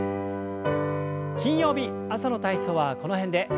金曜日朝の体操はこの辺で。